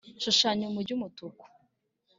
shushanya umujyi umutuku